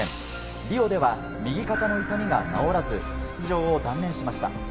リオでは右肩の痛みが治らず出場を断念しました。